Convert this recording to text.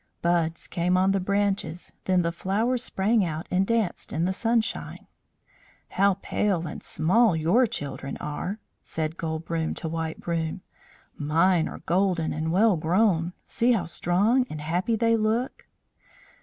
Buds came on the branches. Then the flowers sprang out and danced in the sunshine. "How pale and small your children are!" said Gold Broom to White Broom. "Mine are golden and well grown. See how strong and happy they look."